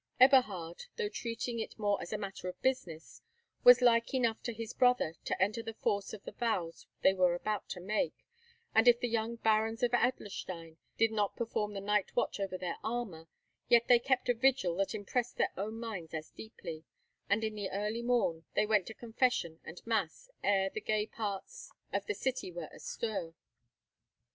Eberhard, though treating it more as a matter of business, was like enough to his brother to enter into the force of the vows they were about to make; and if the young Barons of Adlerstein did not perform the night watch over their armour, yet they kept a vigil that impressed their own minds as deeply, and in early morn they went to confession and mass ere the gay parts of the city were astir.